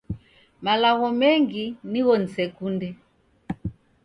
Malogho mengi nigho nisekunde